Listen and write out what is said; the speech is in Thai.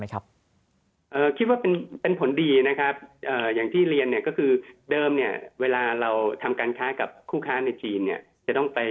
คิดว่าเป็นผลดีอย่างที่เรียนก็คือเวลาเราทำการค้ากับคู่ค้าในจีน